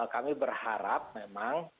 kami berharap memang